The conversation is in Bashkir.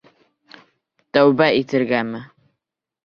— Тәүбә итергәме?